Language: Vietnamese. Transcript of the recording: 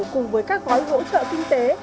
cùng với các gói hỗ trợ kinh tế